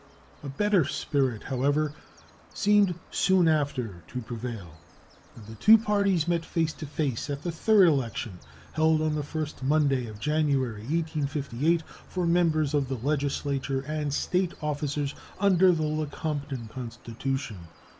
A better spirit, however, seemed soon after to prevail, and the two parties met face to face at the third election, held on the first Monday of January, 1858, for members of the legislature and State officers under the Lecompton constitution.